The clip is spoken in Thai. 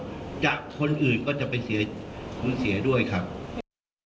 คนอื่นก็จะไปสูงเสียด้วยครับ